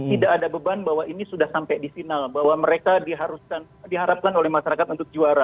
tidak ada beban bahwa ini sudah sampai di final bahwa mereka diharapkan oleh masyarakat untuk juara